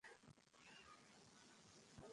তিনি সেখানে সেরা হার্ট সার্জন।